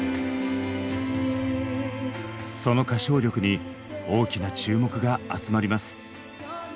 その歌唱力に大きな注目が集まります。